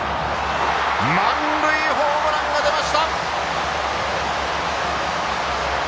満塁ホームランが出ました。